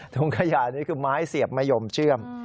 ถุงขยะนี้คือไม้เสียบมะยมเชื่อม